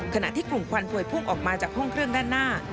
ขณะที่กลุ่มควันพวยพุ่งออกมาจากห้องเครื่องด้านหน้า